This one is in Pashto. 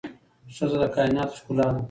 ښځه د کائناتو ښکلا ده